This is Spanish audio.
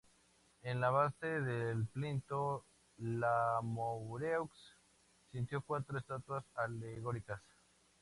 En la base del plinto, Lamoureux situó cuatro estatuas alegóricas.